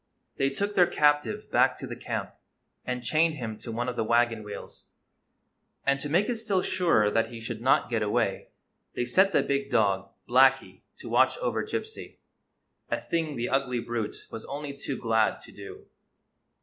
They took their captive back to the camp, and chained him to one of the wagon wheels; and, to make it still surer that he should not get away, they set the big dog, Blacky, to watch over Gypsy — a thing the ugly brute was only too glad to do.